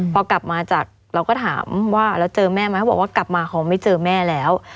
พอกลับมาจากเราก็ถามว่าแล้วเจอแม่ไหมเขาบอกว่ากลับมาเขาไม่เจอแม่แล้ว